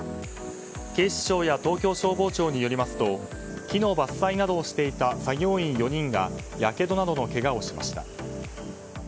警視庁や東京消防庁によりますと木の伐採などをしていた作業員４人がやけどなどのけがをしました。